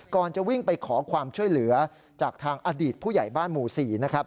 ก่อนจะวิ่งไปขอความช่วยเหลือจากทางอดีตผู้ใหญ่บ้านหมู่๔นะครับ